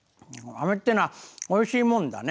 あめっていうのはおいしいもんだね。